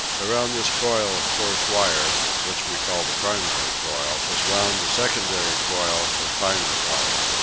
Around this coil of coarse wire, which we call the primary coil, is wound a secondary coil of finer wire.